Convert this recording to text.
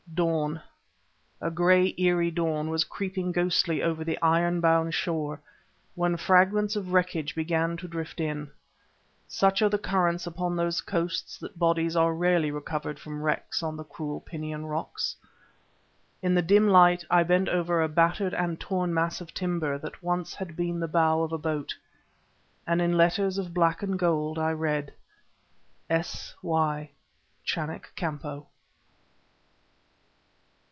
Dawn a gray, eerie dawn was creeping ghostly over the iron bound shore, when the fragments of wreckage began to drift in. Such are the currents upon those coasts that bodies are rarely recovered from wrecks on the cruel Pinion Rocks. In the dim light I bent over a battered and torn mass of timber that once had been the bow of a boat; and in letters of black and gold I read: "S. Y. _Chanak Kampo."